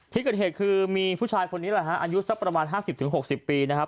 ที่เกิดเหตุคือมีผู้ชายคนนี้แหละฮะอายุสักประมาณ๕๐๖๐ปีนะครับ